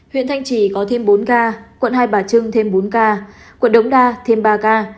huyện thanh trì có thêm bốn ca quận hai bà trưng thêm bốn ca quận đống đa thêm ba ca